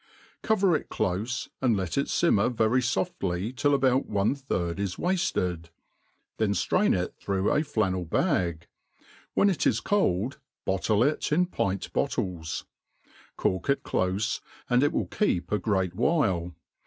Cover it clofe, aH4 let It ftminer very fofdy till about one third is wailed ; then, ftrain it througK a flannel bag : whea it is cold bottle it in pint bottles, cork ic clofe, and it will keep a great while.